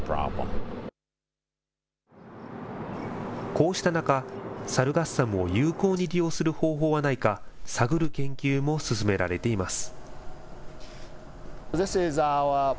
こうした中、サルガッサムを有効に利用する方法はないか、探る研究も進められています。